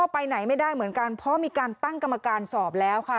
ไปไหนไม่ได้เหมือนกันเพราะมีการตั้งกรรมการสอบแล้วค่ะ